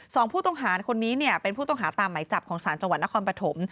สองผู้ต้องหาคนนี้เนี่ยเป็นผู้ต้องหาตามไหมจับของศาลจังหวัดนครปฐม